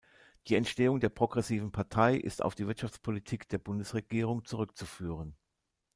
Die Entstehung der Progressiven Partei ist auf die Wirtschaftspolitik der Bundesregierung zurückzuführen.